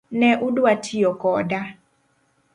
Ne udwa tiyo koda.